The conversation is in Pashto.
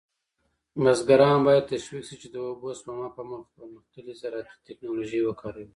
بزګران باید تشویق شي چې د اوبو سپما په موخه پرمختللې زراعتي تکنالوژي وکاروي.